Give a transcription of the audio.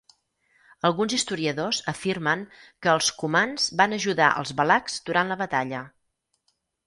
Alguns historiadors afirmen que els cumans van ajudar els valacs durant la batalla.